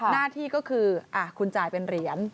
หน้าที่ก็คือคุณจ่ายเป็นเหรียญ